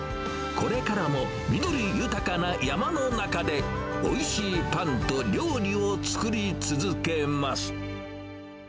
これからも緑豊かな山の中で、おいしいパンと料理を作り続けます。